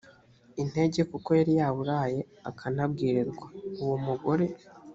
intege kuko yari yaburaye akanabwirirwa uwo mugore